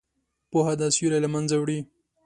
پوهه دا سیوری له منځه وړي.